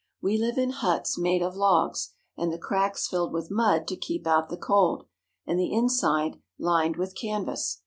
We live in huts made of logs, and the cracks filled with mud to keep out the cold, and the inside lined with canvas.